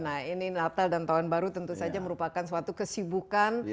nah ini natal dan tahun baru tentu saja merupakan suatu kesibukan